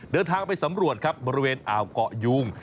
เดินทางไปสำรวจครับบริเวณอ่าวเกาะยูง